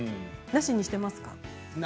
なしにしていますか。